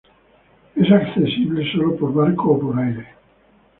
Es accesible sólo por barco o por aire.